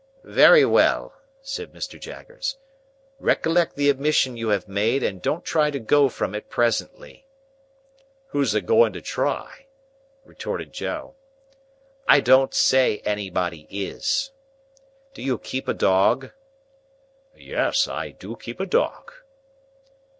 "Very well," said Mr. Jaggers. "Recollect the admission you have made, and don't try to go from it presently." "Who's a going to try?" retorted Joe. "I don't say anybody is. Do you keep a dog?" "Yes, I do keep a dog."